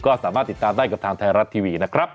ก็สามารถติดตามได้กับทางไทยรัฐทีวีนะครับ